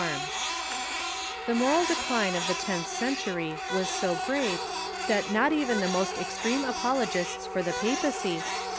] The moral decline of the tenth century was so great that not even the most extreme apologists for the papacy have